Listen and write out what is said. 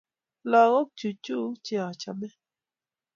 Lagok chuk chu che achame.